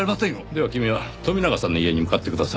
では君は富永さんの家に向かってください。